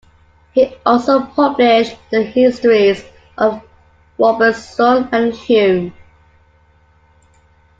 He also published the histories of Robertson and Hume.